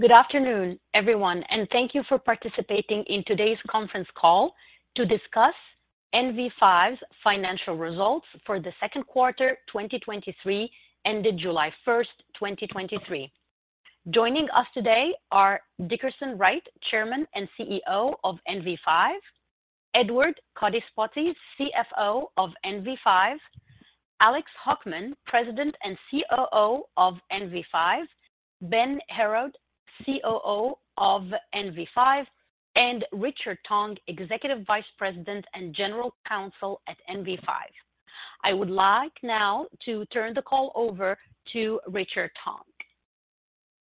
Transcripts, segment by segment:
Good afternoon, everyone. Thank you for participating in today's conference call to discuss NV5's financial results for Q2 2023, ended July 1, 2023. Joining us today are Dickerson Wright, Chairman and CEO of NV5; Edward Codispoti, CFO of NV5; Alex Hockman, President and COO of NV5; Ben Heraud, COO of NV5; and Richard Tong, Executive Vice President and General Counsel at NV5. I would like now to turn the call over to Richard Tong.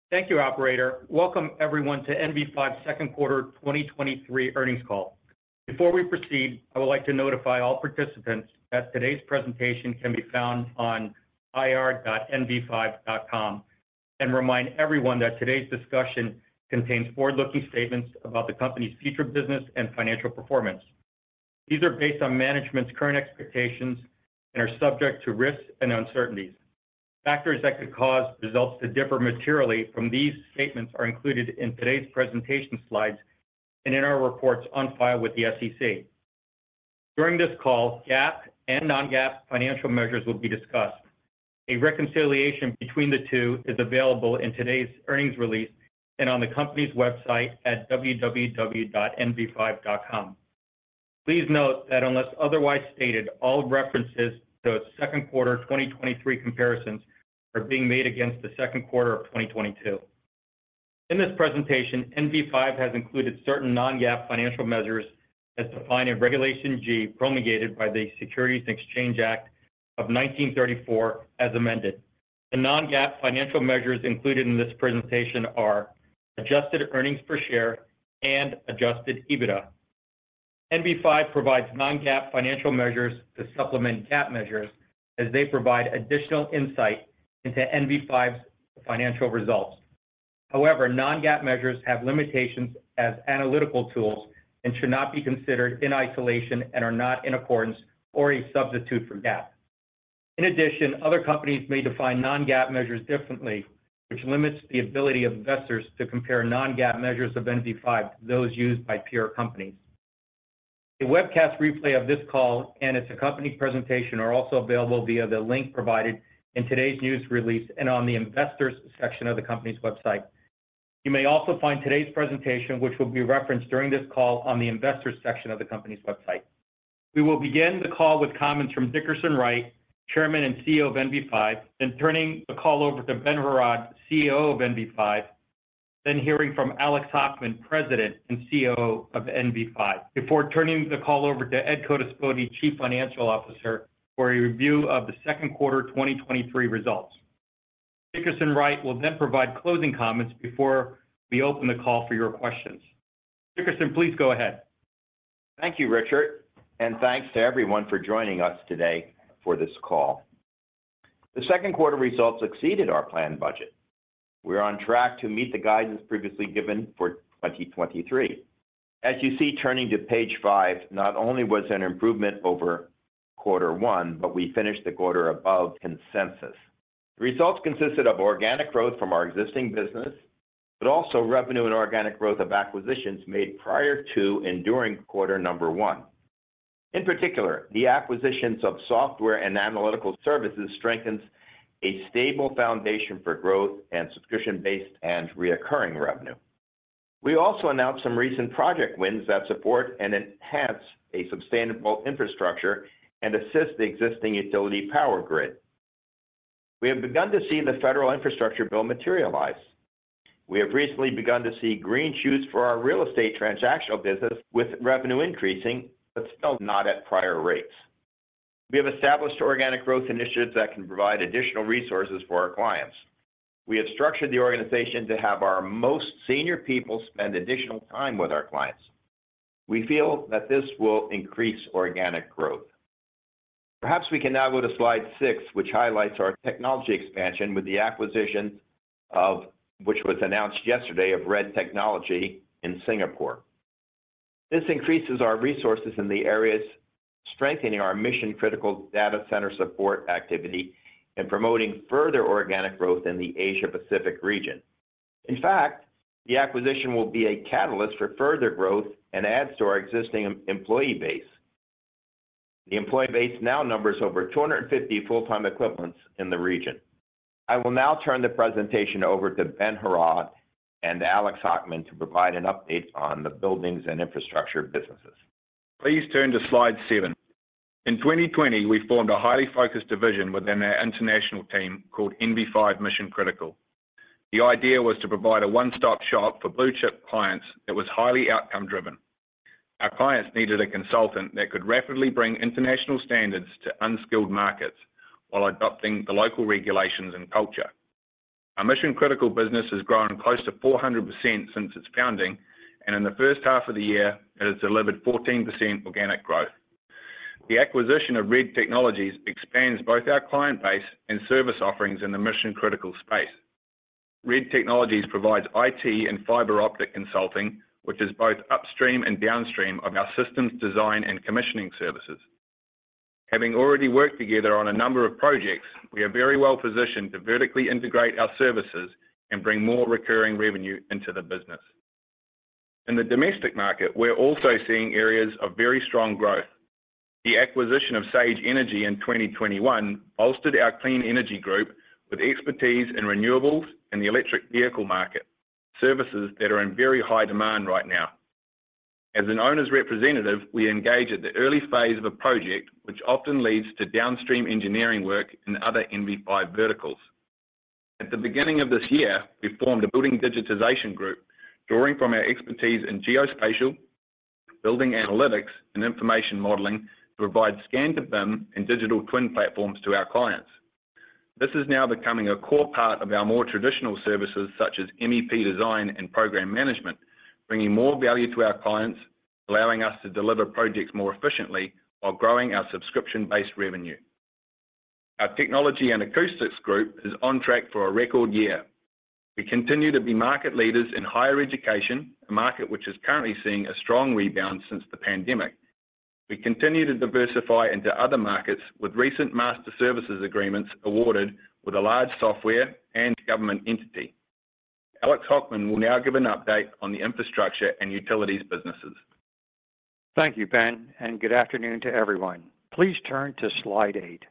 Thank you, operator. Welcome everyone, to NV5'sQ2 2023 Earnings Call. Before we proceed, I would like to notify all participants that today's presentation can be found on ir.nv5.com, and remind everyone that today's discussion contains forward-looking statements about the company's future business and financial performance. These are based on management's current expectations and are subject to risks and uncertainties. Factors that could cause results to differ materially from these statements are included in today's presentation slides and in our reports on file with the SEC. During this call, GAAP and non-GAAP financial measures will be discussed. A reconciliation between the two is available in today's earnings release and on the company's website at www.nv5.com. Please note that unless otherwise stated, all references to Q2 2023 comparisons are being made against Q2 of 2022. In this presentation, NV5 has included certain non-GAAP financial measures as defined in Regulation G, promulgated by the Securities Exchange Act of 1934, as amended. The non-GAAP financial measures included in this presentation are: Adjusted Earnings per Share and Adjusted EBITDA. NV5 provides non-GAAP financial measures to supplement GAAP measures as they provide additional insight into NV5's financial results. However, non-GAAP measures have limitations as analytical tools and should not be considered in isolation and are not in accordance or a substitute for GAAP. In addition, other companies may define non-GAAP measures differently, which limits the ability of investors to compare non-GAAP measures of NV5 to those used by peer companies. A webcast replay of this call and its accompanying presentation are also available via the link provided in today's news release and on the Investors section of the company's website. You may also find today's presentation, which will be referenced during this call, on the Investors section of the company's website. We will begin the call with comments from Dickersonerson Wright, Chairman and CEO of NV5, turning the call over to Ben Heraud, COO of NV5, hearing from Alex Hockman, President and CEO of NV5, before turning the call over to Edward Codispoti, Chief Financial Officer, for a review of Q2 2023 results. Dickersonerson Wright will then provide closing comments before we open the call for your questions. Dickersonerson, please go ahead. Thank you, Richard, and thanks to everyone for joining us today for this call. Q2 results exceeded our planned budget. We're on track to meet the guidance previously given for 2023. As you see, turning to page five, not only was there an improvement over Q1, but we finished the quarter above consensus. The results consisted of organic growth from our existing business, but also revenue and organic growth of acquisitions made prior to and during Q1. In particular, the acquisitions of software and analytical services strengthens a stable foundation for growth and subscription-based and reoccurring revenue. We also announced some recent project wins that support and enhance a sustainable infrastructure and assist the existing utility power grid. We have begun to see the federal infrastructure bill materialize. We have recently begun to see green shoots for our real estate transactional business, with revenue increasing, but still not at prior rates. We have established organic growth initiatives that can provide additional resources for our clients. We have structured the organization to have our most senior people spend additional time with our clients. We feel that this will increase organic growth. Perhaps we can now go to slide six, which highlights our technology expansion with the acquisition, which was announced yesterday, of Red Technologies in Singapore. This increases our resources in the areas, strengthening our mission-critical data center support activity and promoting further organic growth in the Asia-Pacific region. In fact, the acquisition will be a catalyst for further growth and adds to our existing employee base. The employee base now numbers over 250 full-time equivalents in the region. I will now turn the presentation over to Ben Heraud and Alex Hockman to provide an update on the buildings and infrastructure businesses. Please turn to slide seven. In 2020, we formed a highly focused division within our international team called NV5 Mission Critical. The idea was to provide a one-stop shop for blue-chip clients that was highly outcome-driven. Our clients needed a consultant that could rapidly bring international standards to unskilled markets while adopting the local regulations and culture. Our mission-critical business has grown close to 400% since its founding, and in the first half of the year, it has delivered 14% organic growth. The acquisition of RED Technologies expands both our client base and service offerings in the mission-critical space. RED Technologies provides IT and fiber optic consulting, which is both upstream and downstream of our systems design and commissioning services. Having already worked together on a number of projects, we are very well positioned to vertically integrate our services and bring more recurring revenue into the business. In the domestic market, we're also seeing areas of very strong growth. The acquisition of Sage Energy in 2021 bolstered our Clean Energy Group with expertise in renewables and the electric vehicle market, services that are in very high demand right now. As an owner's representative, we engage at the early phase of a project, which often leads to downstream engineering work in other NV5 verticals. At the beginning of this year, we formed a Building Digitization Group, drawing from our expertise in geospatial, building analytics, and information modeling, to provide Scan-to-BIM and digital twin platforms to our clients. This is now becoming a core part of our more traditional services, such as MEP design and program management, bringing more value to our clients, allowing us to deliver projects more efficiently while growing our subscription-based revenue. Our Technology and Acoustics Group is on track for a record year. We continue to be market leaders in higher education, a market which is currently seeing a strong rebound since the pandemic. We continue to diversify into other markets, with recent master services agreements awarded with a large software and government entity. Alex Hockman will now give an update on the Infrastructure and Utilities businesses. Thank you, Ben, and good afternoon to everyone. Please turn to slide eight.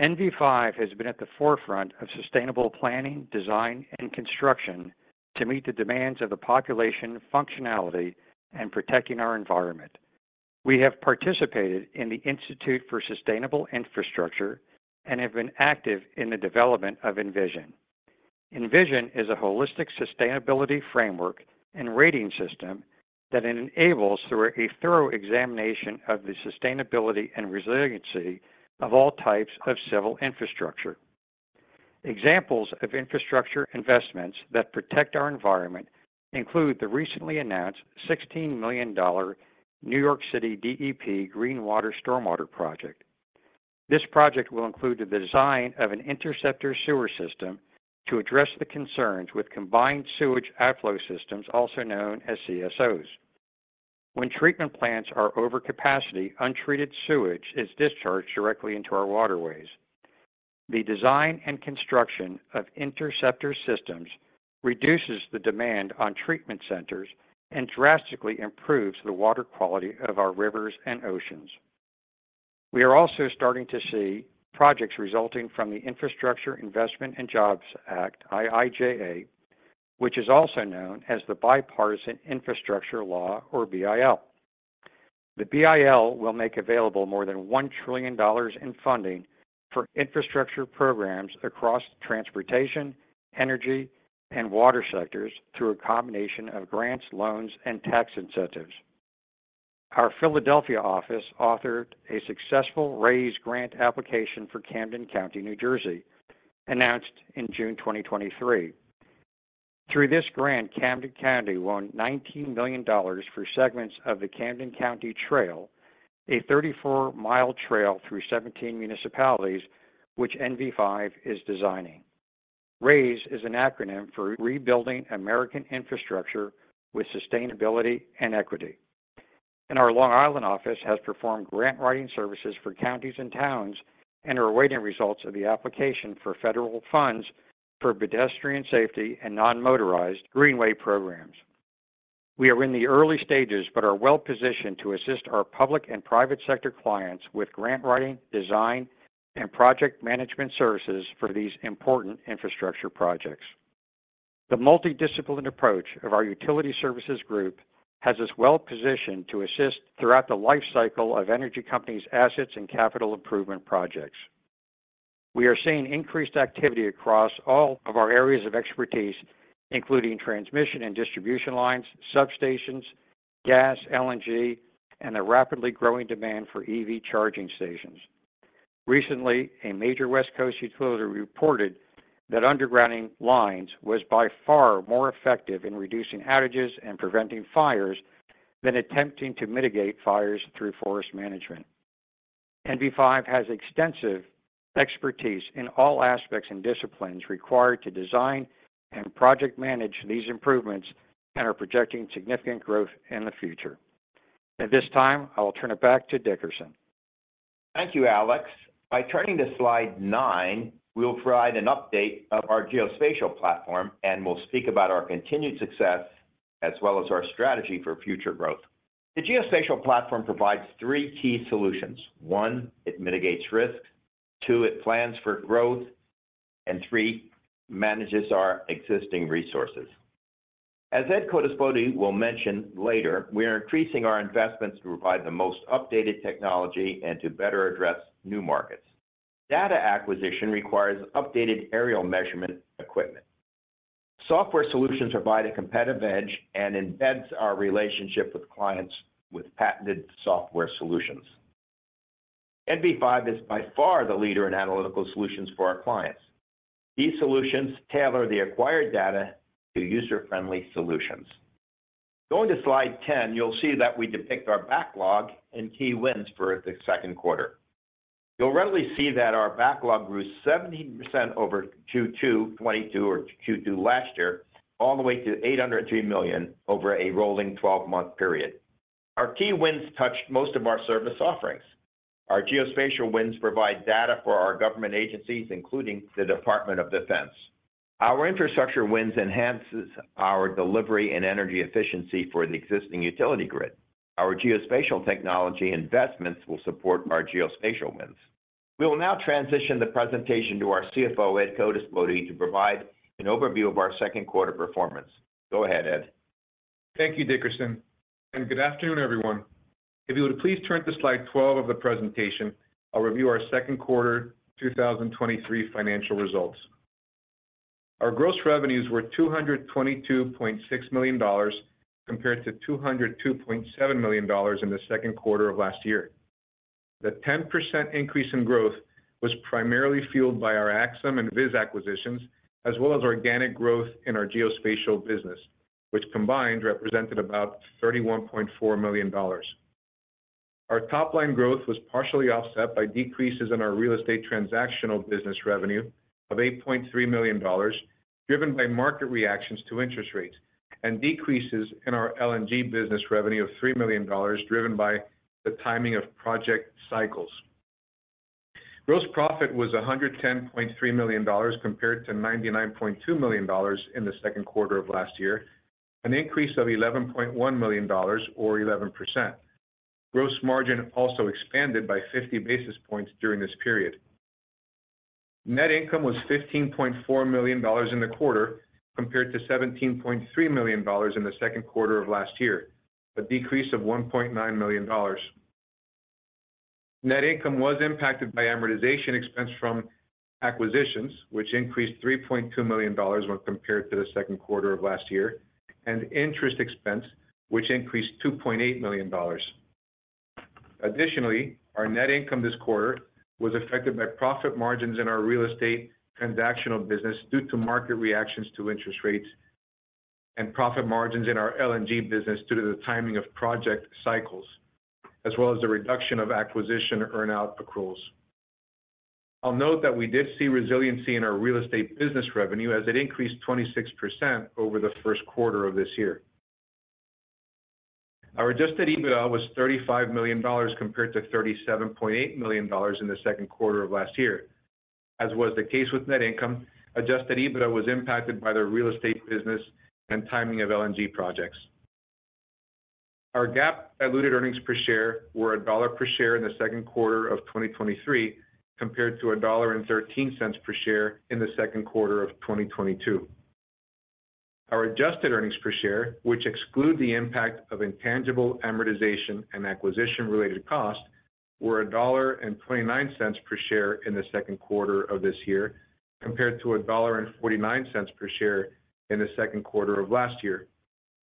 NV5 has been at the forefront of sustainable planning, design, and construction to meet the demands of the population functionality and protecting our environment. We have participated in the Institute for Sustainable Infrastructure and have been active in the development of Envision. Envision is a holistic sustainability framework and rating system that enables, through a thorough examination of the sustainability and resiliency of all types of civil infrastructure. Examples of infrastructure investments that protect our environment include the recently announced $16 million New York City DEP Green Water Stormwater Project. This project will include the design of an interceptor sewer system to address the concerns with combined sewage outflow systems, also known as CSOs. When treatment plants are over capacity, untreated sewage is discharged directly into our waterways. The design and construction of interceptor systems reduces the demand on treatment centers and drastically improves the water quality of our rivers and oceans. We are also starting to see projects resulting from the Infrastructure Investment and Jobs Act, IIJA, which is also known as the Bipartisan Infrastructure Law, or BIL. The BIL will make available more than $1 trillion in funding for infrastructure programs across transportation, energy, and water sectors through a combination of grants, loans, and tax incentives. Our Philadelphia office authored a successful RAISE grant application for Camden County, New Jersey, announced in June 2023. Through this grant, Camden County won $19 million for segments of the Camden County Trail, a 34-mile trail through 17 municipalities, which NV5 is designing. RAISE is an acronym for Rebuilding American Infrastructure with Sustainability and Equity. Our Long Island office has performed grant-writing services for counties and towns and are awaiting results of the application for federal funds for pedestrian safety and non-motorized greenway programs. We are in the early stages, but are well-positioned to assist our public and private sector clients with grant writing, design, and project management services for these important infrastructure projects. The multidisciplinary approach of our Utility Services Group has us well-positioned to assist throughout the lifecycle of energy companies' assets and capital improvement projects. We are seeing increased activity across all of our areas of expertise, including transmission and distribution lines, substations, gas, LNG, and the rapidly growing demand for EV charging stations. Recently, a major West Coast utility reported that undergrounding lines was by far more effective in reducing outages and preventing fires than attempting to mitigate fires through forest management. NV5 has extensive expertise in all aspects and disciplines required to design and project manage these improvements and are projecting significant growth in the future. At this time, I will turn it back to Dickerson. Thank you, Alex. By turning to Slide nine, we'll provide an update of our geospatial platform. We'll speak about our continued success as well as our strategy for future growth. The geospatial platform provides three key solutions. One, it mitigates risk. Two, it plans for growth. Three, manages our existing resources. As Ed Codispoti will mention later, we are increasing our investments to provide the most updated technology and to better address new markets. Data acquisition requires updated aerial measurement equipment. Software solutions provide a competitive edge and embeds our relationship with clients with patented software solutions. NV5 is by far the leader in analytical solutions for our clients. These solutions tailor the acquired data to user-friendly solutions. Going to Slide 10, you'll see that we depict our backlog and key wins for Q2. You'll readily see that our backlog grew 70% over Q2 2022 or Q2 last year, all the way to $803 million over a rolling 12-month period. Our key wins touched most of our service offerings. Our geospatial wins provide data for our government agencies, including the U.S. Department of Defense. Our infrastructure wins enhances our delivery and energy efficiency for the existing utility grid. Our geospatial technology investments will support our geospatial wins. We will now transition the presentation to our CFO, Ed Codispoti, to provide an overview of ourQ2 performance. Go ahead, Ed. Thank you, Dickerson, and good afternoon, everyone. If you would please turn to Slide 12 of the presentation, I'll review ourQ2 2023 financial results. Our gross revenues were $222.6 compared to 202.7 million in Q2 of last year. The 10% increase in growth was primarily fueled by our Axim and VIS acquisitions, as well as organic growth in our geospatial business, which combined represented about $31.4 million. Our top-line growth was partially offset by decreases in our real estate transactional business revenue of $8.3 million, driven by market reactions to interest rates, and decreases in our LNG business revenue of 3 million, driven by the timing of project cycles. Gross profit was $110.3 compared to 99.2 million in Q2 of last year, an increase of 11.1 million or 11%. Gross margin also expanded by 50 basis points during this period. Net income was $15.4 in the quarter, compared to 17.3 million in Q2 of last year, a decrease of 1.9 million. Net income was impacted by amortization expense from acquisitions, which increased $3.2 million when compared to Q2 of last year, and interest expense, which increased 2.8 million. Additionally, our net income this quarter was affected by profit margins in our real estate transactional business due to market reactions to interest rates and profit margins in our LNG business due to the timing of project cycles, as well as the reduction of acquisition earn-out accruals. I'll note that we did see resiliency in our real estate business revenue, as it increased 26% over Q1 of this year. Our Adjusted EBITDA was $35 compared to 37.8 million in Q2 of last year. As was the case with net income, Adjusted EBITDA was impacted by the real estate business and timing of LNG projects. Our GAAP diluted earnings per share were $1 per share in Q2 of 2023, compared to 1.13 per share in Q2 of 2022. Our adjusted earnings per share, which exclude the impact of intangible amortization and acquisition-related costs, were $1.29 per share in Q2 of this year, compared to 1.49 per share in Q2 of last year.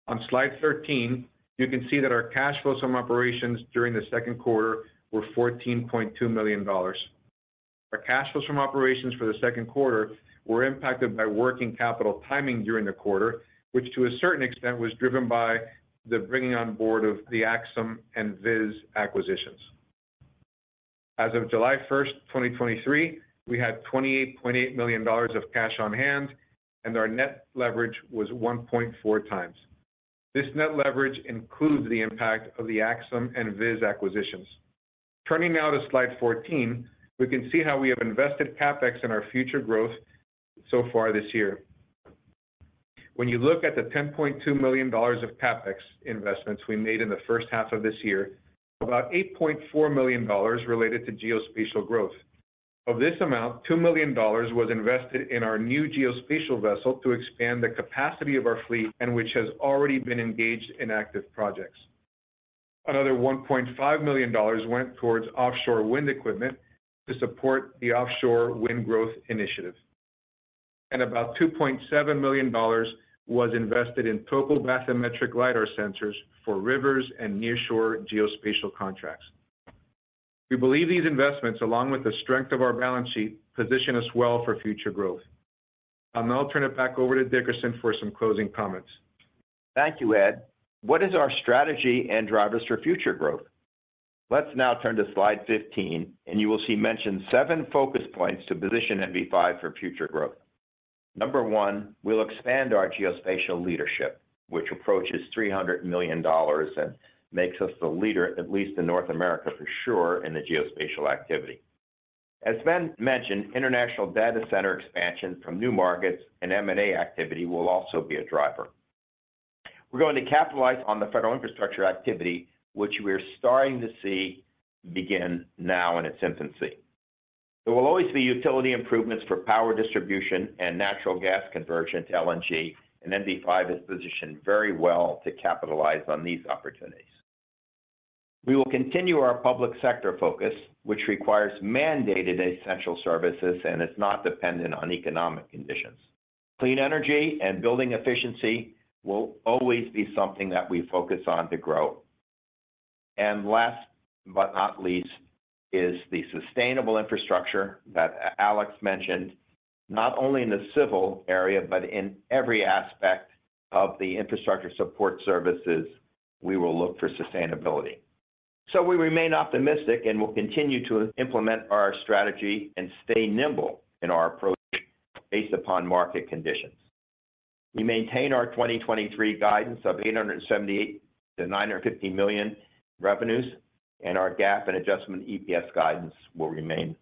On Slide 13, you can see that our cash flows from operations during Q2 were $14.2 million. Our cash flows from operations for Q2 were impacted by working capital timing during the quarter, which to a certain extent, was driven by the bringing on board of the Axim and VIS acquisitions. As of July 1, 2023, we had $28.8 million of cash on hand, our net leverage was 1.4x. This net leverage includes the impact of the Axim and VIS acquisitions. Turning now to slide 14, we can see how we have invested CapEx in our future growth so far this year. When you look at the $10.2 million of CapEx investments we made in the first half of this year, about $8.4 million related to geospatial growth. Of this amount, $2 million was invested in our new geospatial vessel to expand the capacity of our fleet, and which has already been engaged in active projects. Another $1.5 million went towards offshore wind equipment to support the offshore wind growth initiative. About $2.7 million was invested in total bathymetric lidar sensors for rivers and nearshore geospatial contracts. We believe these investments, along with the strength of our balance sheet, position us well for future growth. I'll now turn it back over to Dickerson for some closing comments. Thank you, Ed. What is our strategy and drivers for future growth? Let's now turn to Slide 15, you will see mentioned seven focus points to position NV5 for future growth. Number one, we'll expand our geospatial leadership, which approaches $300 million and makes us the leader, at least in North America, for sure, in the geospatial activity. As Sven mentioned, international data center expansion from new markets and M&A activity will also be a driver. We're going to capitalize on the federal infrastructure activity, which we are starting to see begin now in its infancy. There will always be utility improvements for power distribution and natural gas conversion to LNG, NV5 is positioned very well to capitalize on these opportunities. We will continue our public sector focus, which requires mandated essential services, it's not dependent on economic conditions. Clean energy and building efficiency will always be something that we focus on to grow. Last but not least, is the sustainable infrastructure that Alex mentioned. Not only in the civil area, but in every aspect of the infrastructure support services, we will look for sustainability. We remain optimistic, and we'll continue to implement our strategy and stay nimble in our approach based upon market conditions. We maintain our 2023 guidance of $878-950 million revenues, and our GAAP and adjustment EPS guidance will remain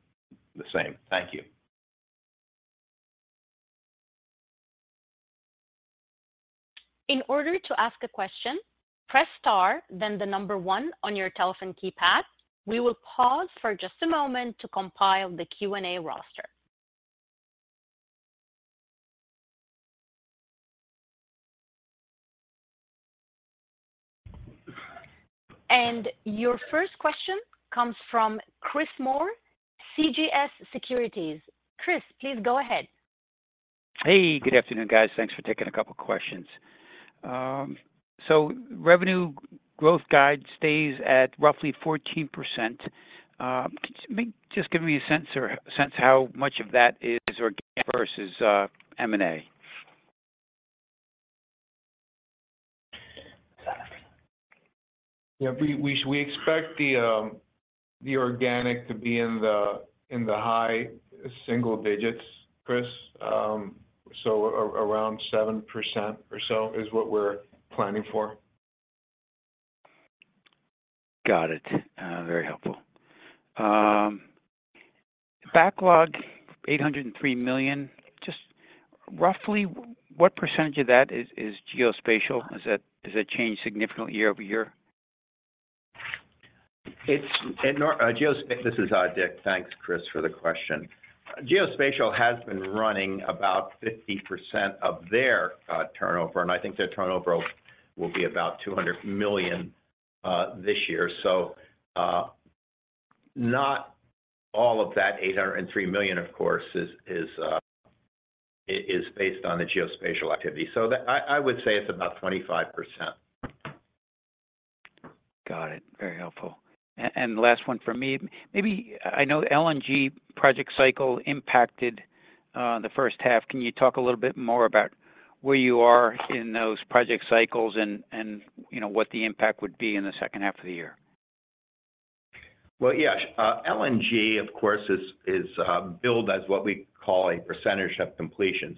the same. Thank you. In order to ask a question, press star, then the number 1 on your telephone keypad. We will pause for just a moment to compile the Q&A roster. Your first question comes from Chris Moore, CJS Securities. Chris, please go ahead. Hey, good afternoon, guys. Thanks for taking a couple questions. Revenue growth guide stays at roughly 14%. Could you maybe just give me a sense how much of that is organic versus M&A? Yeah, we expect the organic to be in the high single digits, Chris. Around 7% or so is what we're planning for. Got it. Very helpful. Backlog, $803 million, just roughly what percent of that is, is geospatial? Does that change significantly year-over-year? It's, and geospatial. This is Dickerson. Thanks, Chris, for the question. Geospatial has been running about 50% of their turnover, and I think their turnover will be about $200 million this year. Not all of that $803 million, of course, is, is, is, is based on the geospatial activity. That I, I would say it's about 25%. Got it. Very helpful. Last one from me. Maybe I know LNG project cycle impacted the first half. Can you talk a little bit more about where you are in those project cycles and, you know, what the impact would be in the second half of the year? Well, yeah. LNG, of course, is, is billed as what we call a percentage of completion.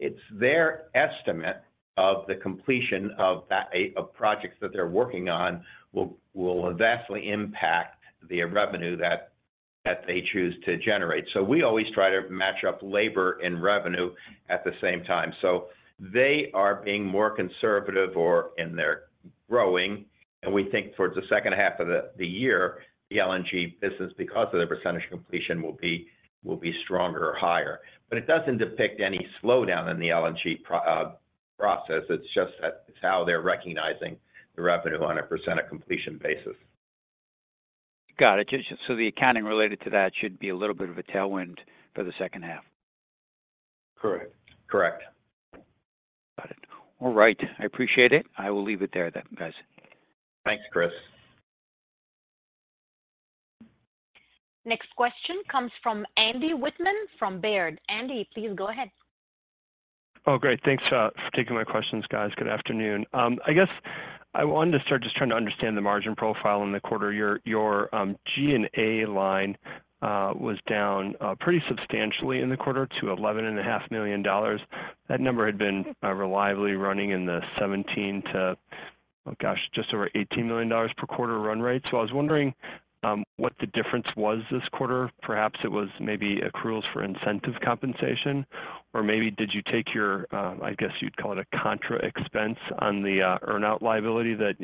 It's their estimate of the completion of that of projects that they're working on, will, will vastly impact the revenue that, that they choose to generate. We always try to match up labor and revenue at the same time. They are being more conservative or, and they're growing, and we think towards the second half of the year, the LNG business, because of the percentage completion, will be, will be stronger or higher. It doesn't depict any slowdown in the LNG process. It's just that it's how they're recognizing the revenue on a percent of completion basis. Got it. Just the accounting related to that should be a little bit of a tailwind for the second half? Correct. Correct. Got it. All right, I appreciate it. I will leave it there then, guys. Thanks, Chris. Next question comes from Andy Wittman from Baird. Andy, please go ahead. Great. Thanks for taking my questions, guys. Good afternoon. I guess I wanted to start just trying to understand the margin profile in the quarter. Your, your G&A line was down pretty substantially in the quarter to $11.5 million. That number had been reliably running in the $17-18 million per quarter run rate. I was wondering what the difference was this quarter. Perhaps it was maybe accruals for incentive compensation, or maybe did you take your, I guess you'd call it a contra expense on the earn-out liability that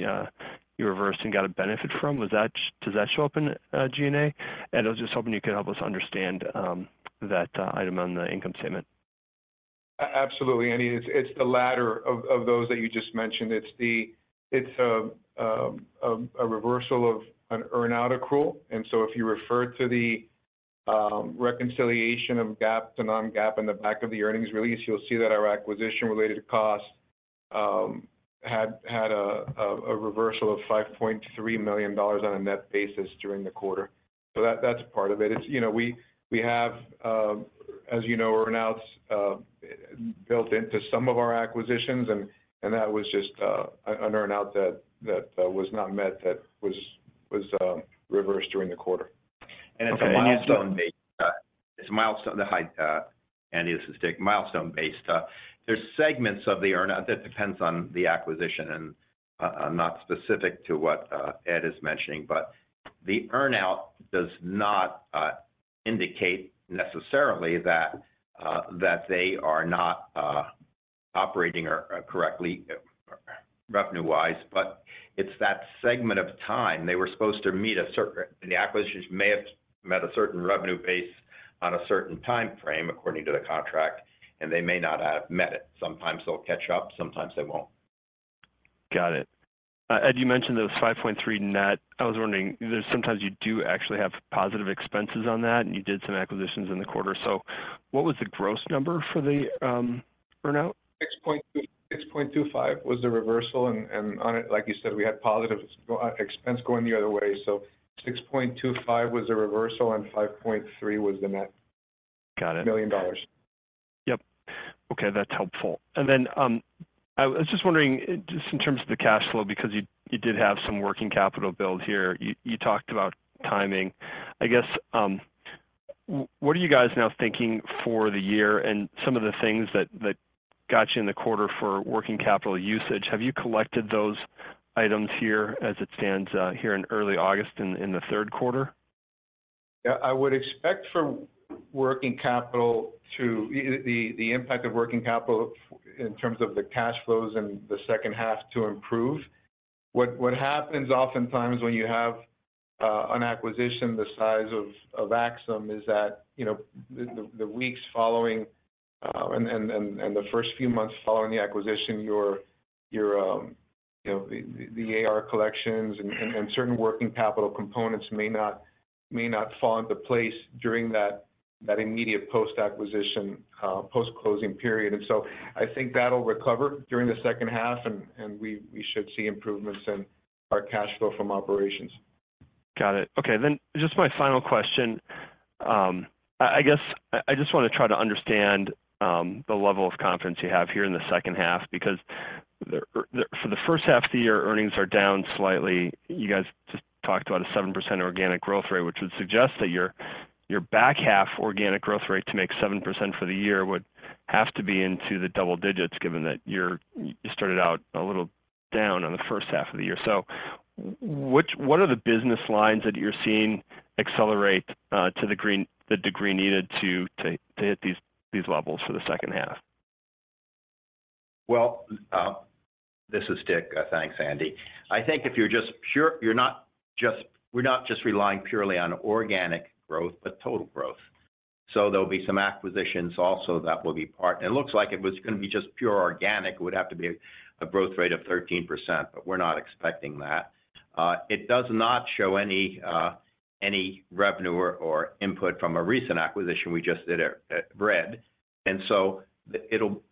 you reversed and got a benefit from? Was that- does that show up in G&A? I was just hoping you could help us understand that item on the income statement. Absolutely, Andy. It's the latter of those that you just mentioned. It's a reversal of an earn-out accrual. So if you refer to the reconciliation of GAAP to non-GAAP in the back of the earnings release, you'll see that our acquisition-related costs had a reversal of $5.3 million on a net basis during the quarter. So that's part of it. It's, you know, we have, as you know, earn-outs built into some of our acquisitions, and that was just an earn-out that was not met, that was reversed during the quarter. It's a milestone-based, it's a milestone, hi, Andy, this is Dickerson, milestone-based. There's segments of the earn-out that depends on the acquisition and, not specific to what Ed is mentioning, but the earn-out does not indicate necessarily that they are not operating or correctly revenue-wise. It's that segment of time they were supposed to meet a certain... The acquisitions may have met a certain revenue base on a certain time frame, according to the contract, and they may not have met it. Sometimes they'll catch up, sometimes they won't. Got it. Ed, you mentioned those $5.3 net. I was wondering, there's sometimes you do actually have positive expenses on that, and you did some acquisitions in the quarter. What was the gross number for the earn-out? 6.2-6.25 was the reversal, and, and on it, like you said, we had positive, expense going the other way. 6.25 was the reversal, and 5.3 was the net. Got it.... million dollars. Yep. Okay, that's helpful. Then, I, I was just wondering, just in terms of the cash flow, because you, you did have some working capital build here. You, you talked about timing. I guess, w- what are you guys now thinking for the year and some of the things that, that got you in the quarter for working capital usage? Have you collected those items here as it stands, here in early August, in, in Q3? Yeah, I would expect for working capital to the impact of working capital in terms of the cash flows in the second half to improve. What, what happens oftentimes when you have an acquisition the size of Axim, is that, you know, the, the, the weeks following, and, and, and, and the first few months following the acquisition, your, your, you know, the, the AR collections and, and, and certain working capital components may not, may not fall into place during that, that immediate post-acquisition, post-closing period. I think that'll recover during the second half, and, and we, we should see improvements in our cash flow from operations. Got it. Okay, just my final question. I, I guess I, I just wanna try to understand, the level of confidence you have here in the second half, because the, for the first half of the year, earnings are down slightly. You guys just talked about a 7% organic growth rate, which would suggest that your, your back half organic growth rate to make 7% for the year would have to be into the double digits, given that you're, you started out a little down on the first half of the year. What are the business lines that you're seeing accelerate, to the degree needed to, to, to hit these, these levels for the second half? Well, this is Dickerson. Thanks, Andy. I think if you're just pure-- you're not just- we're not just relying purely on organic growth, but total growth. So there'll be some acquisitions also that will be part. It looks like if it was gonna be just pure organic, it would have to be a growth rate of 13%, but we're not expecting that. It does not show any revenue or input from a recent acquisition we just did at RED. So it'll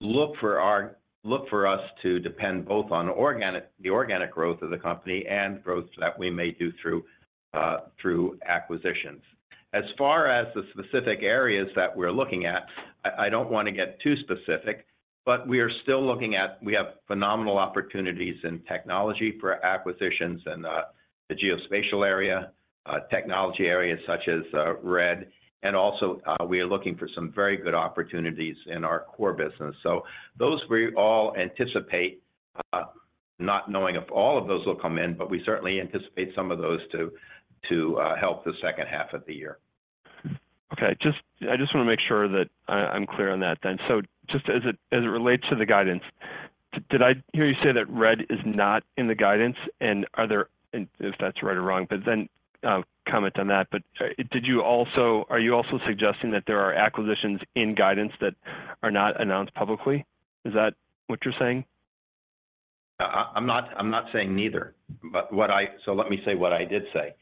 look for our-- look for us to depend both on organic-- the organic growth of the company and growth that we may do through acquisitions. As far as the specific areas that we're looking at, I, I don't want to get too specific, but we are still looking at... We have phenomenal opportunities in technology for acquisitions and the geospatial area, technology areas such as RED, and also, we are looking for some very good opportunities in our core business. Those we all anticipate, not knowing if all of those will come in, but we certainly anticipate some of those to help the second half of the year. Okay, I just wanna make sure that I'm clear on that then. Just as it relates to the guidance, did I hear you say that RED is not in the guidance? Are there-- and if that's right or wrong, but then, comment on that. Are you also suggesting that there are acquisitions in guidance that are not announced publicly? Is that what you're saying? I'm not saying neither, but let me say what I did say.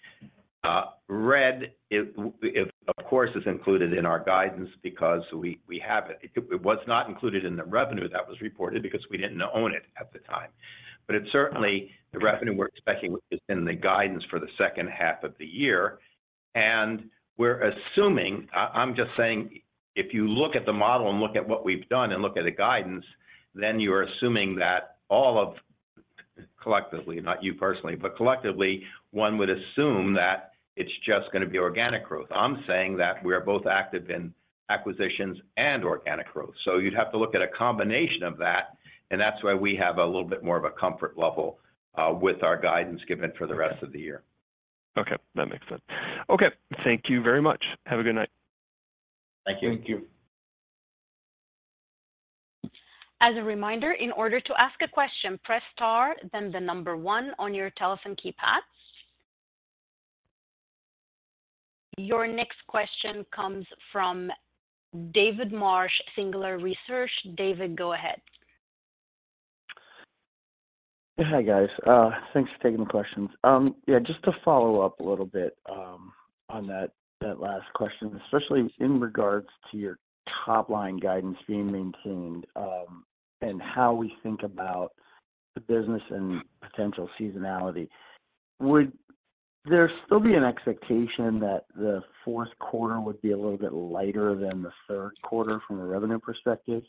RED is, of course, included in our guidance because we have it. It was not included in the revenue that was reported, because we didn't own it at the time. It certainly, the revenue we're expecting is in the guidance for the second half of the year. We're assuming, I'm just saying, if you look at the model and look at what we've done and look at the guidance, then you are assuming that all of, collectively, not you personally, but collectively, one would assume that it's just gonna be organic growth. I'm saying that we are both active in acquisitions and organic growth. You'd have to look at a combination of that, and that's why we have a little bit more of a comfort level with our guidance given for the rest of the year. Okay, that makes sense. Okay, thank you very much. Have a good night. Thank you. Thank you. As a reminder, in order to ask a question, press star, then the number one on your telephone keypad. Your next question comes from David Marsh, Singular Research. David, go ahead. Hi, guys. Thanks for taking the questions. Yeah, just to follow up a little bit on that, that last question, especially in regards to your top-line guidance being maintained, and how we think about the business and potential seasonality. Would there still be an expectation that Q4 would be a little bit lighter than Q3 from a revenue perspective?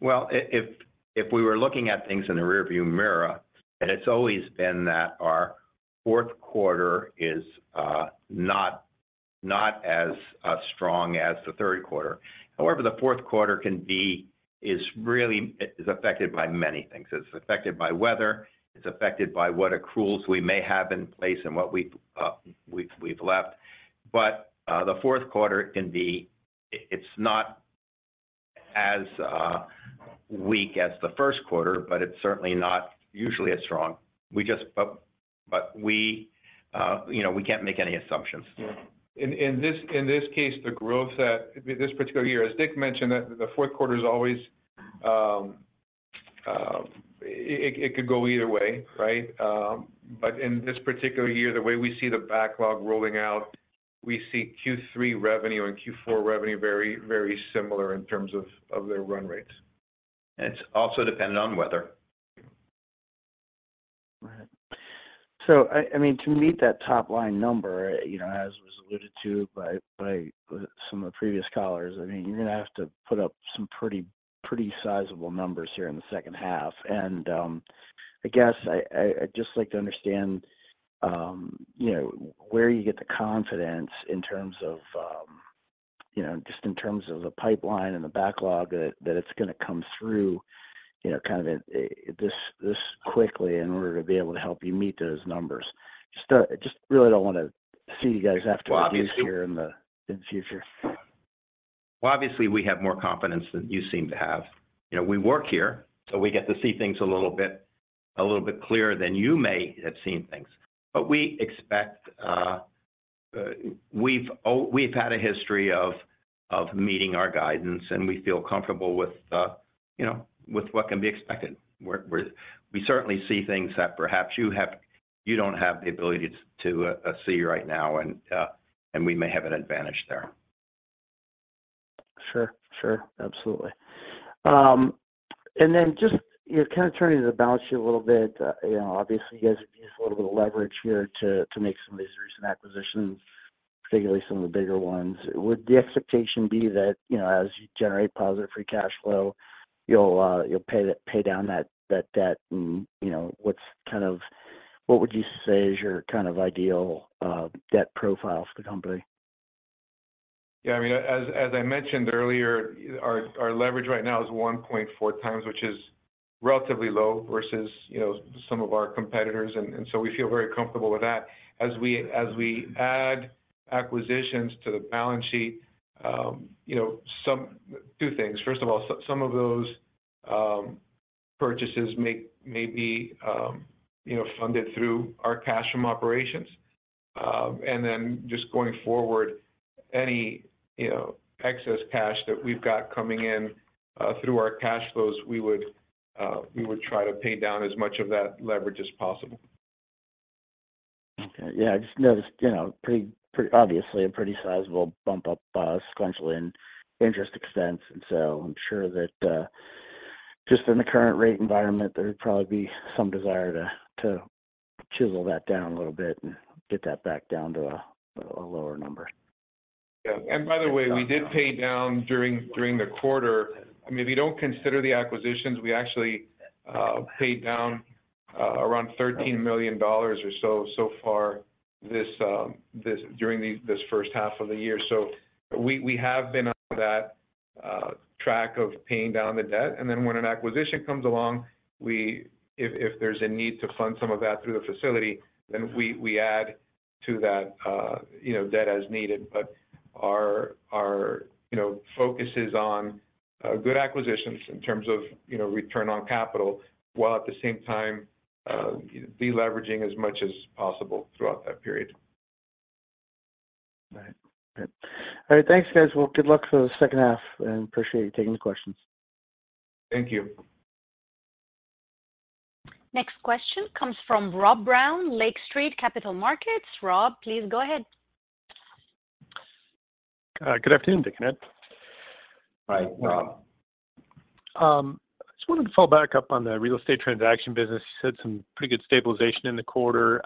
Well, if, if we were looking at things in the rearview mirror, and it's always been that our fourth quarter is not, not as strong as Q3. However, Q4 can be, it's affected by many things. It's affected by weather, it's affected by what accruals we may have in place and what we've left. Q4 can be... it's not as weak as Q1, but it's certainly not usually as strong. We just, you know, we can't make any assumptions. Yeah. In, in this, in this case, the growth at this particular year, as Dickerson mentioned, that Q4 is always, it, it, it could go either way, right? In this particular year, the way we see the backlog rolling out, we see Q3 revenue and Q4 revenue very, very similar in terms of, of their run rates. It's also dependent on weather. I, I mean, to meet that top line number, you know, as was alluded to by, by some of the previous callers, I mean, you're gonna have to put up some pretty, pretty sizable numbers here in the second half. I guess I, I, I'd just like to understand, you know, where you get the confidence in terms of, you know, just in terms of the pipeline and the backlog that, that it's gonna come through, you know, kind of at this, this quickly in order to be able to help you meet those numbers. Just, just really don't wanna see you guys have to abuse here in the, in the future. Well, obviously, we have more confidence than you seem to have. You know, we work here, so we get to see things a little bit, a little bit clearer than you may have seen things. We expect, we've had a history of, of meeting our guidance, and we feel comfortable with, you know, with what can be expected. We certainly see things that perhaps you don't have the ability to see right now, and we may have an advantage there. Sure, sure. Absolutely. Just, you know, kind of turning to the balance sheet a little bit, you know, obviously, you guys have used a little bit of leverage here to, to make some of these recent acquisitions, particularly some of the bigger ones. Would the expectation be that, you know, as you generate positive free cash flow, you'll pay down that, that debt? You know, what would you say is your kind of ideal debt profile for the company? Yeah, I mean, as, as I mentioned earlier, our, our leverage right now is 1.4 times, which is relatively low versus, you know, some of our competitors, and so we feel very comfortable with that. As we, as we add acquisitions to the balance sheet, you know, some. Two things. First of all, some, some of those purchases may, may be, you know, funded through our cash from operations. Then just going forward, any, you know, excess cash that we've got coming in through our cash flows, we would try to pay down as much of that leverage as possible. Okay. Yeah, I just noticed, you know, pretty obviously a pretty sizable bump up, sequentially in interest expense. So I'm sure that, just in the current rate environment, there would probably be some desire to, to chisel that down a little bit and get that back down to a, a lower number. Yeah. By the way, we did pay down during, during the quarter. I mean, if you don't consider the acquisitions, we actually paid down around $13 million or so, so far this first half of the year. We, we have been on that track of paying down the debt, and then when an acquisition comes along, if, if there's a need to fund some of that through the facility, then we, we add to that, you know, debt as needed. Our, our, you know, focus is on good acquisitions in terms of, you know, return on capital, while at the same time, de-leveraging as much as possible throughout that period. Right. Good. All right, thanks, guys. Well, good luck for the second half, and appreciate you taking the questions. Thank you. Next question comes from Rob Brown, Lake Street Capital Markets. Rob, please go ahead. Good afternoon, Dickerson and Ed. Hi, Rob. I just wanted to follow back up on the real estate transaction business. You had some pretty good stabilization in the quarter.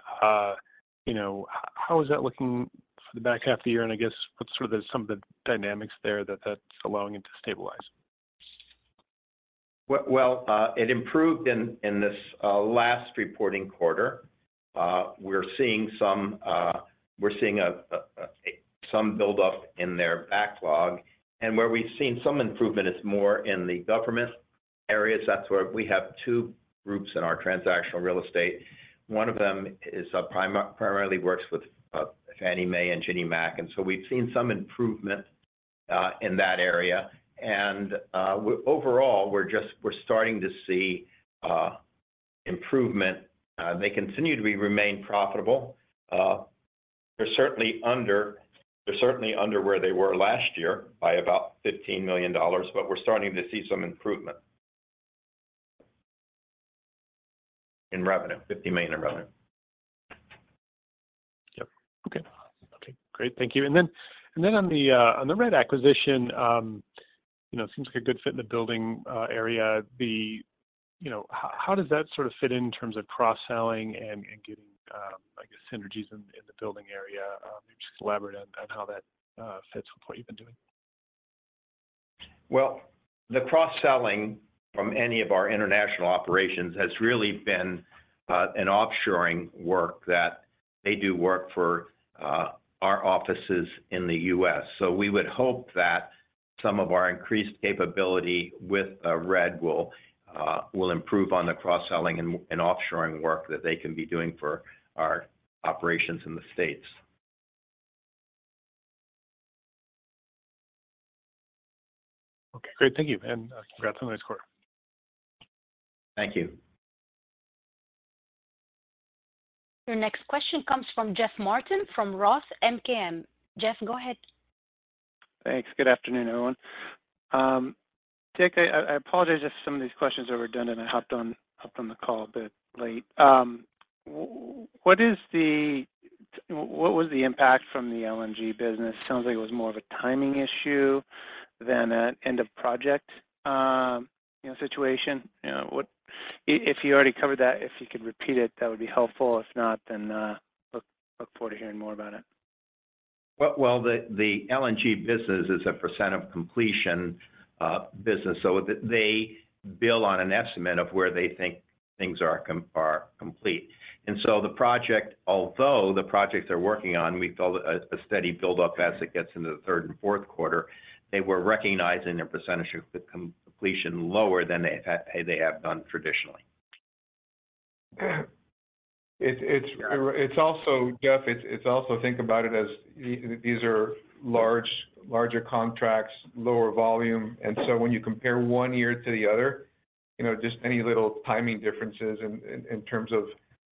You know, how is that looking for the back half of the year? I guess, what's sort of some of the dynamics there that that's allowing it to stabilize? Well, well, it improved in, in this last reporting quarter. We're seeing some buildup in their backlog, and where we've seen some improvement is more in the government areas. That's where we have two groups in our transactional real estate. One of them primarily works with Fannie Mae and Ginnie Mae, and so we've seen some improvement in that area. Overall, we're starting to see improvement. They continue to be remain profitable. They're certainly under, they're certainly under where they were last year by about $15 million, but we're starting to see some improvement. In revenue, $15 million in revenue. Yep. Okay. Okay, great. Thank you. Then, then on the, on the RED acquisition, you know, seems like a good fit in the building area. The, you know, how, how does that sort of fit in, in terms of cross-selling and, and getting, I guess, synergies in, in the building area? Maybe just elaborate on, on how that fits with what you've been doing? Well, the cross-selling from any of our international operations has really been an offshoring work that they do work for our offices in the U.S. We would hope that some of our increased capability with RED will improve on the cross-selling and offshoring work that they can be doing for our operations in the States. Okay, great. Thank you, and congrats on a nice quarter. Thank you. Your next question comes from Jeff Martin, from ROTH. Jeff, go ahead. Thanks. Good afternoon, everyone. Dickerson, I, I apologize if some of these questions are redundant. I hopped on, hopped on the call a bit late. What was the impact from the LNG business? Sounds like it was more of a timing issue than an end-of-project, you know, situation. You know, if you already covered that, if you could repeat it, that would be helpful. If not, then, look, look forward to hearing more about it. Well, well, the LNG business is a percent of completion business, so that they bill on an estimate of where they think things are complete. So the project, although the projects they're working on, we saw a steady build-up as it gets into the third and fourth quarter. They were recognizing a percentage of the completion lower than they have done traditionally. It's, it's, it's also Jeff, it's, it's also think about it as these are large, larger contracts, lower volume. When you compare one year to the other, you know, just any little timing differences in terms of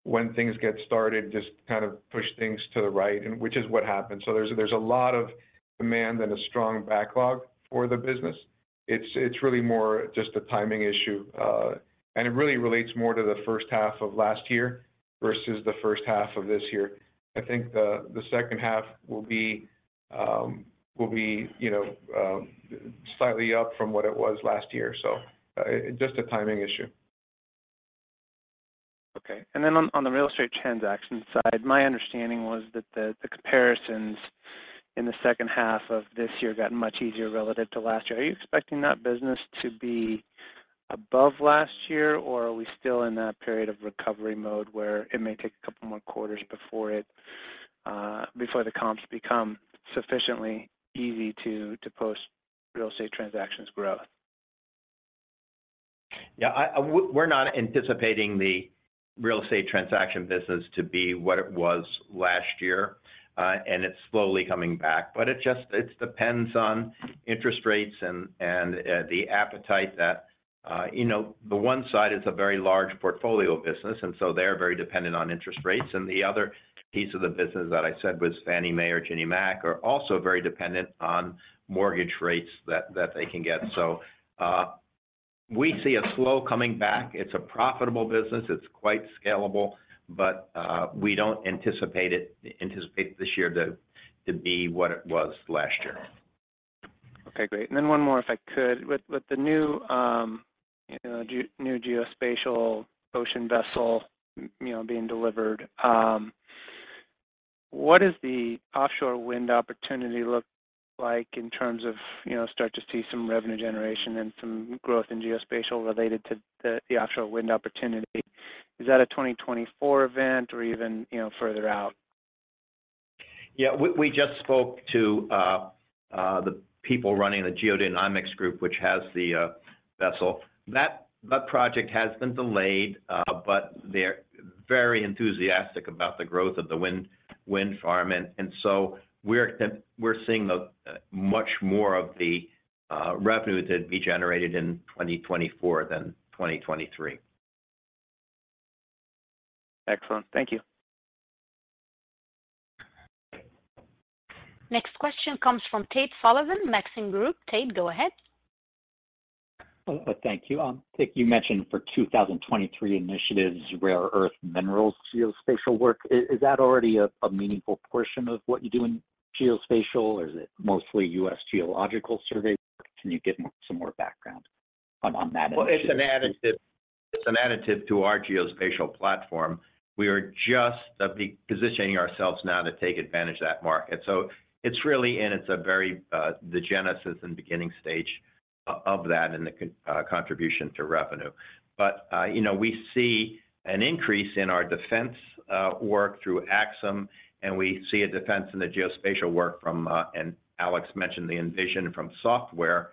when things get started, just kind of push things to the right, and which is what happened. There's, there's a lot of demand and a strong backlog for the business. It's, it's really more just a timing issue, and it really relates more to the first half of last year versus the first half of this year. I think the, the second half will be, will be, you know, slightly up from what it was last year. Just a timing issue. Okay. Then on, on the real estate transaction side, my understanding was that the, the comparisons in the second half of this year got much easier relative to last year. Are you expecting that business to be above last year, or are we still in that period of recovery mode, where it may take a couple more quarters before it before the comps become sufficiently easy to, to post real estate transactions growth? Yeah, I, we're, we're not anticipating the real estate transaction business to be what it was last year. It's slowly coming back, but it depends on interest rates and the appetite that. You know, the one side is a very large portfolio business, so they're very dependent on interest rates. The other piece of the business that I said was Fannie Mae or Ginnie Mae, are also very dependent on mortgage rates that, that they can get. We see a slow coming back. It's a profitable business. It's quite scalable, but, we don't anticipate this year to, to be what it was last year. Okay, great. Then one more, if I could. With, with the new, you know, new geospatial ocean vessel, you know, being delivered, what does the offshore wind opportunity look like in terms of, you know, start to see some revenue generation and some growth in geospatial related to the offshore wind opportunity? Is that a 2024 event or even, you know, further out? Yeah, we, we just spoke to the people running the Geodynamics group, which has the vessel. That, that project has been delayed, but they're very enthusiastic about the growth of the wind, wind farm. and so we're seeing much more of the revenue to be generated in 2024 than 2023. Excellent. Thank you. Next question comes from Tate Sullivan, Maxim Group. Tate, go ahead. Thank you. Dickerson, you mentioned for 2023 initiatives, rare earth minerals, geospatial work. Is that already a meaningful portion of what you do in geospatial, or is it mostly U.S. Geological Survey? Can you give some more background on that issue? Well, it's an additive. It's an additive to our geospatial platform. We are just positioning ourselves now to take advantage of that market. It's really in, it's a very, the genesis and beginning stage of that and the contribution to revenue. You know, we see an increase in our defense work through Axim, and we see a defense in the geospatial work from. Alex mentioned the Envision from software.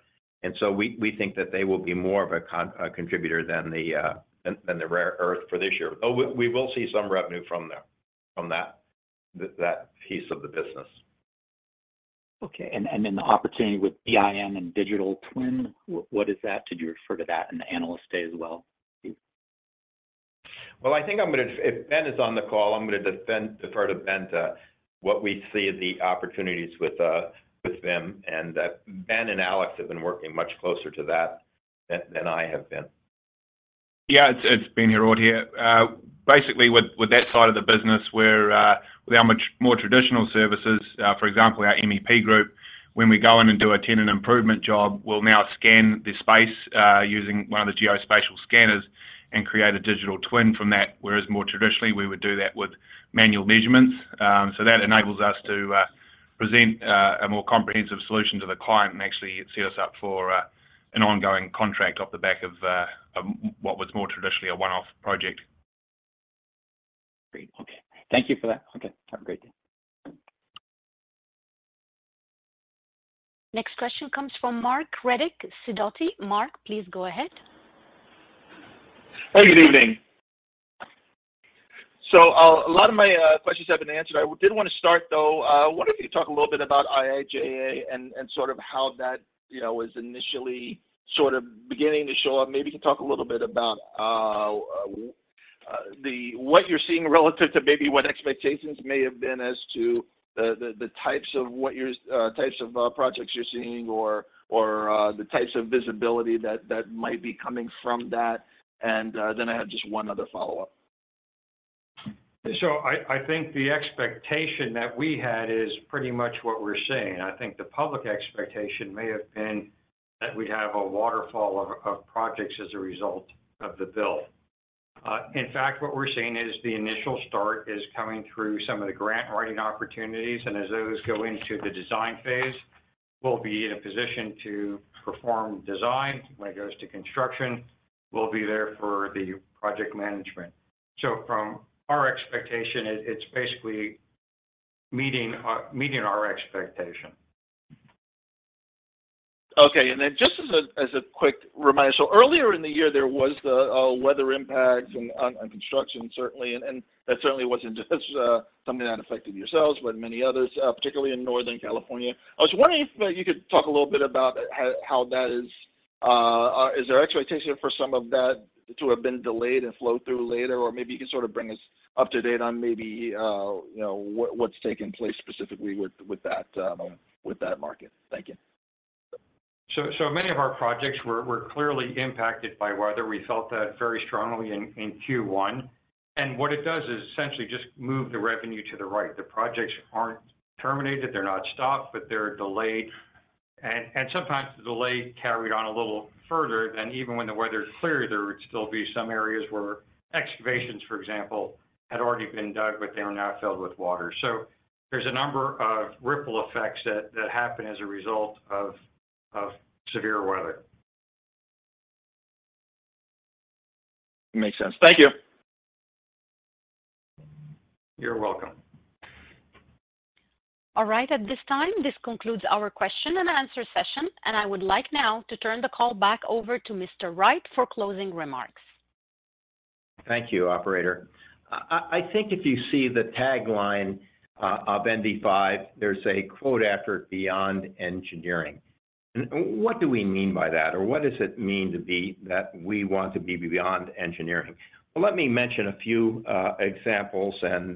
We, we think that they will be more of a contributor than the, than, than the rare earth for this year. We, we will see some revenue from them, from that, that piece of the business. Okay. Then the opportunity with BIM and Digital Twin, what is that? Did you refer to that in the Analyst Day as well, please? Well, I think I'm gonna. If Ben is on the call, I'm gonna defer to Ben, to what we see as the opportunities with BIM. Ben and Alex have been working much closer to that than, than I have been. Yeah, Ben Heraud here. Basically, with that side of the business, with our much more traditional services, for example, our MEP group, when we go in and do a tenant improvement job, we'll now scan the space using one of the geospatial scanners and create a digital twin from that, whereas more traditionally, we would do that with manual measurements. That enables us to present a more comprehensive solution to the client and actually set us up for an ongoing contract off the back of what was more traditionally a one-off project. Great, okay. Thank you for that. Okay, have a great day. Next question comes from Marc Riddick, Sidoti. Mark, please go ahead. Hey, good evening. A lot of my questions have been answered. I did wanna start, though, I wonder if you could talk a little bit about IIJA and, and sort of how that, you know, is initially sort of beginning to show up. Maybe you can talk a little bit about what you're seeing relative to maybe what expectations may have been as to the types of what you're, types of projects you're seeing or, or, the types of visibility that, that might be coming from that. Then I have just one other follow-up. I think the expectation that we had is pretty much what we're seeing. I think the public expectation may have been that we have a waterfall of projects as a result of the bill. In fact, what we're seeing is the initial start is coming through some of the grant writing opportunities, and as those go into the design phase, we'll be in a position to perform design. When it goes to construction, we'll be there for the project management. From our expectation, it's basically meeting our expectation. Okay. Then just as a, as a quick reminder, earlier in the year, there was the weather impacts on, on construction, certainly, and that certainly wasn't just something that affected yourselves, but many others, particularly in Northern California. I was wondering if you could talk a little bit about how, how that is. Is there expectation for some of that to have been delayed and flow through later? Maybe you can sort of bring us up to date on maybe, you know, what's taking place specifically with that market. Thank you. Many of our projects were clearly impacted by weather. We felt that very strongly in Q1. What it does is essentially just move the revenue to the right. The projects aren't terminated, they're not stopped, but they're delayed. Sometimes the delay carried on a little further than even when the weather's clear, there would still be some areas where excavations, for example, had already been dug, but they were now filled with water. There's a number of ripple effects that happen as a result of severe weather. Makes sense. Thank you. You're welcome. All right, at this time, this concludes our question and answer session. I would like now to turn the call back over to Mr. Wright for closing remarks. Thank you, operator. I think if you see the tagline of NV5, there's a quote after, "Beyond engineering." What do we mean by that? What does it mean that we want to be beyond engineering? Well, let me mention a few examples and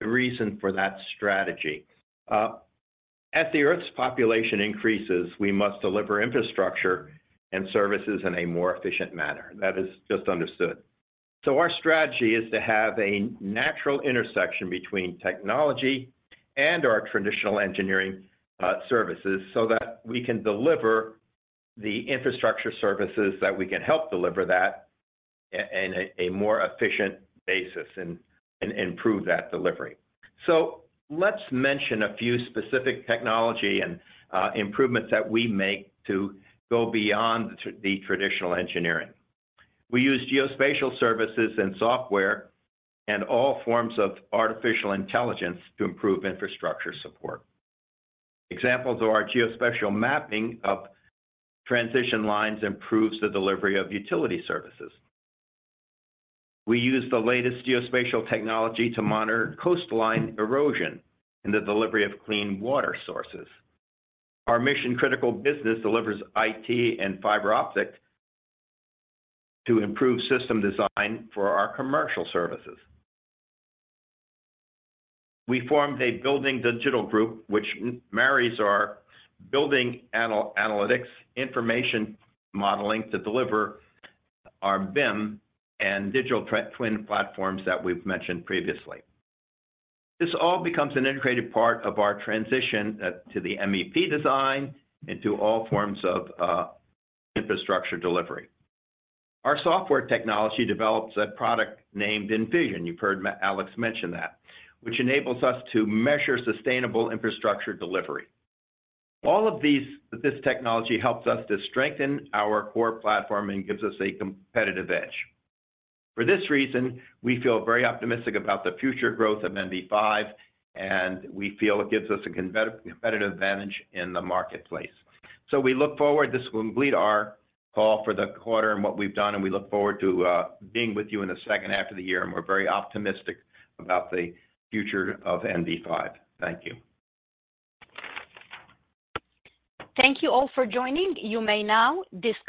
the reason for that strategy. As the earth's population increases, we must deliver infrastructure and services in a more efficient manner. That is just understood. Our strategy is to have a natural intersection between technology and our traditional engineering services, so that we can deliver the infrastructure services, that we can help deliver that in a more efficient basis and improve that delivery. Let's mention a few specific technology and improvements that we make to go beyond the traditional engineering. We use geospatial services and software and all forms of artificial intelligence to improve infrastructure support. Examples of our geospatial mapping of transmission lines improves the delivery of utility services. We use the latest geospatial technology to monitor coastline erosion and the delivery of clean water sources. Our mission-critical business delivers IT and fiber optics to improve system design for our commercial services. We formed a Building Digitization Group, which marries our building analytics information modeling to deliver our BIM and digital twin platforms that we've mentioned previously. This all becomes an integrated part of our transition to the MEP design and to all forms of infrastructure delivery. Our software technology develops a product named Envision. You've heard Alex mention that, which enables us to measure sustainable infrastructure delivery. All of these, this technology helps us to strengthen our core platform and gives us a competitive edge. For this reason, we feel very optimistic about the future growth of NV5, and we feel it gives us a competitive advantage in the marketplace. We look forward. This will complete our call for the quarter and what we've done. We look forward to being with you in a second half of the year. We're very optimistic about the future of NV5. Thank you. Thank you all for joining. You may now disconnect.